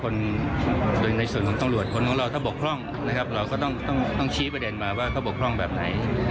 ในส่วนของตังหลวนถ้าเป็นคนบกคร่องเราก็ต้องชี้ประเด็นมาว่าเขาบกคร่องแบบไหน